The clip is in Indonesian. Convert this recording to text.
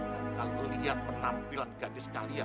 dan kalau lihat penampilan gadis kalian